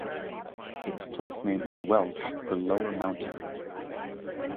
Its placename is Welsh for "lower mountain".